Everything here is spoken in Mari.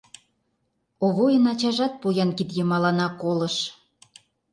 Овойын ачажат поян кид йымаланак колыш.